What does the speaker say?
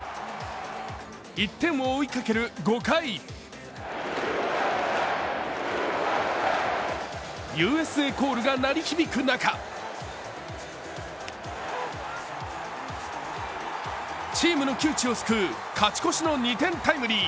３回に先制タイムリーを放つと、１点を追いかける５回ＵＳＡコールが鳴り響く中チームの窮地を救う勝ち越しの２点タイムリー。